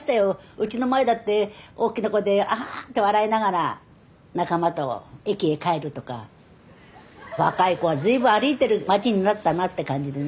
うちの前だって大きな声でアハハッて笑いながら仲間と駅へ帰るとか若い子が随分歩いてる街になったなって感じでね。